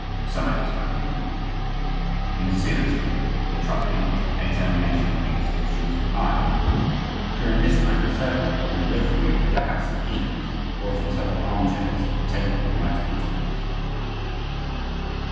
Science now continued, in a serious manner, the truculent examination of the executioner's eye. During this time a servant in the livery of the house of Guise brought in several arm chairs, a table, and writing materials.